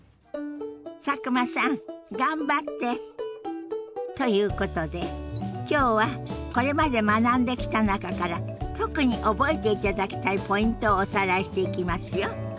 佐久間さん頑張って！ということで今日はこれまで学んできた中から特に覚えていただきたいポイントをおさらいしていきますよ。